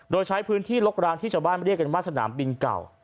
โดยใช้พื้นที่รกร้างที่ชาวบ้านเรียกกันว่าสนามบินเก่า